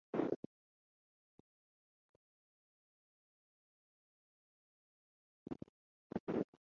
Caffeine is a competitive antagonist of GlyR.